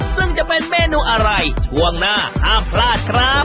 ซึ่งจะเป็นเมนูอะไรช่วงหน้าห้ามพลาดครับ